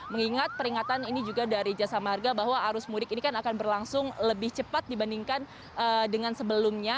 mengingat peringatan ini juga dari jasa marga bahwa arus mudik ini kan akan berlangsung lebih cepat dibandingkan dengan sebelumnya